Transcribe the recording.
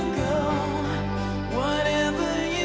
โทรมาแล้วนะครับ